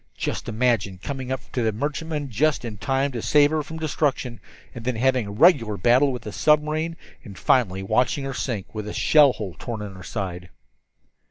Just imagine coming up to that merchantman just in time to save her from destruction, and then having a regular battle with the submarine, and finally watching her sink, with a shell hole torn in her side!"